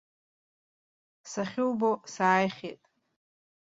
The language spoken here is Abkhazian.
Сахьубо сааихьеит.